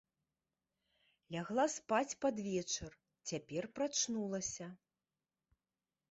Лягла спаць пад вечар, цяпер прачнулася.